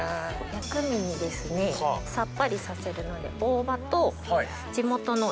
薬味にですねさっぱりさせるので大葉と地元の。